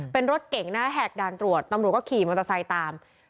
เป็นรถเก่งนะแหกด่านตรวจตำรวจก็ขี่มอเตอร์ไซค์ตาม